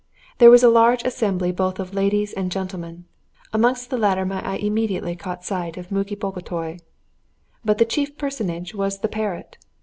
There was a large assembly both of ladies and gentlemen; amongst the latter my eye immediately caught sight of Muki Bagotay. But the chief personage was the parrot.